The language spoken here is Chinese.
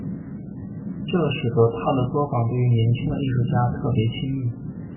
这使得他的作坊对于年轻的艺术家特别亲密。